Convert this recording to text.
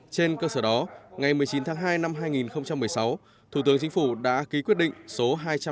trên cơ sở đó ngày một mươi chín tháng hai năm hai nghìn một mươi sáu thủ tướng chính phủ đã ký quyết định số hai trăm sáu mươi